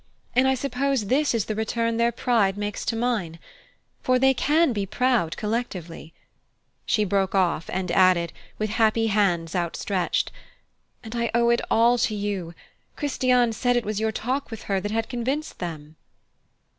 and I suppose this is the return their pride makes to mine. For they can be proud collectively " She broke off and added, with happy hands outstretched: "And I owe it all to you Christiane said it was your talk with her that had convinced them."